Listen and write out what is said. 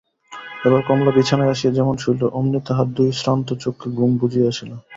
এবার কমলা বিছানায় আসিয়া যেমন শুইল অমনি তাহার দুই শ্রান্ত চক্ষু ঘুমে বুজিয়া আসিল।